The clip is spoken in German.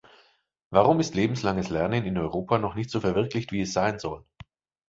Warum ist lebenslanges Lernen in Europa noch nicht so verwirklicht, wie es sein soll?